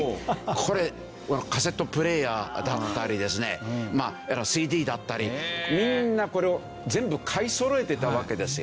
これカセットプレーヤーだったりですねＣＤだったりみんなこれを全部買いそろえてたわけですよ。